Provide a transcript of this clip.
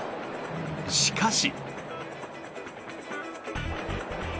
しかし。